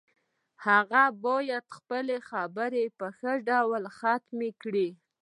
هغه باید خپلې خبرې په ښه ډول ختمې کړي